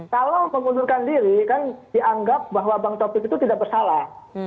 kalau mengundurkan diri kan dianggap bahwa bang taufik itu tidak bersalah